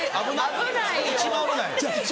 危ないよ。